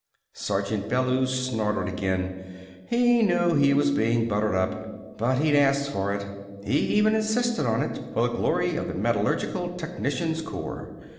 Sergeant Bellews snorted again. He knew he was being buttered up, but he'd asked for it. He even insisted on it, for the glory of the Metallurgical Technicians' Corps.